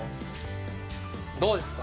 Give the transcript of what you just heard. どうですか？